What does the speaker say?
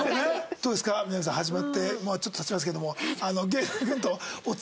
どうですかみな実さん始まってちょっと経ちますけども。